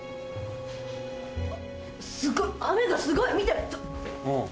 すごい雨がすごい見て！